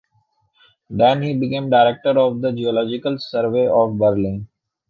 Then he became director of the Geological Survey of Berlin.